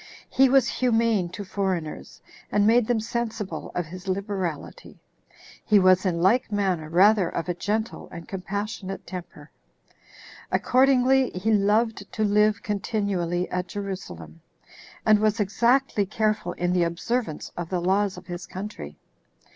He was humane to foreigners, and made them sensible of his liberality. He was in like manner rather of a gentle and compassionate temper. Accordingly, he loved to live continually at Jerusalem, and was exactly careful in the observance of the laws of his country.